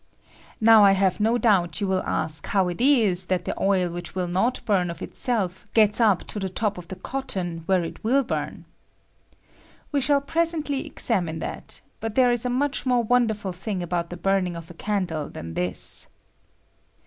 Now I have no doubt you will ask how it is that the oil which will not bum of itself gets up to the top of the cotton, where it will bum. We shall presently examine that; but there is a much more wonderful thing about the burning of a candle than this.